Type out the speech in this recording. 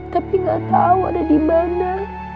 tapi nggak tahu ada di mana